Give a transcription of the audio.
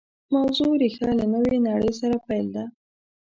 موضوع ریښه له نوې نړۍ سره پیل ده